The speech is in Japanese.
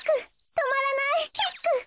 とまらないヒック。